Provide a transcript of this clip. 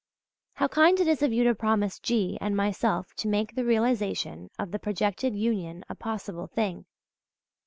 How kind it is of you to promise G. and myself to make the realization of the projected union a possible thing!